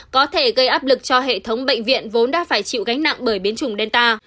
có thể gây áp lực cho hệ thống bệnh viện vốn đã phải chịu gánh nặng bởi biến chủng delta